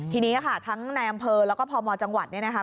ทีนี้ค่ะทั้งในอำเภอแล้วก็พมจังหวัดเนี่ยนะคะ